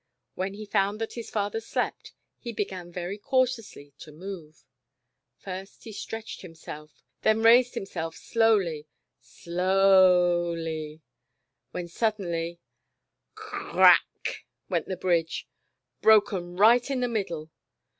When he found that his father slept, he began very cautiously to move. First he stretched himself, then raised himself slowly, s 1 o w l y, when suddenly, " c r r r r rack " went the bridge, broken right in the middle